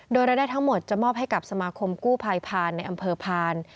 โดยรายได้ทั้งหมดจะมอบให้กับสมาคมกู้ภัยพานในอำเภอพาน